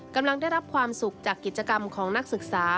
กำลังได้รับความสุขจากกิจกรรมของนักศึกษา